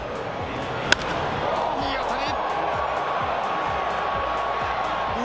いい当たり！